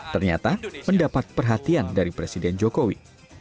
ternyata mendapat perhatian dari presiden jokowi